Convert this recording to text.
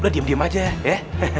lo diem diem aja ya